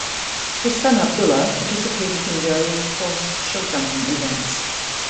His son Abdullah participated in various horse showjumping events.